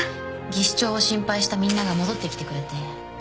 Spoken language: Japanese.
技師長を心配したみんなが戻ってきてくれて。